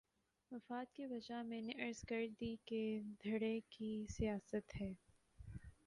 مفاد کی وجہ میں نے عرض کر دی کہ دھڑے کی سیاست ہے۔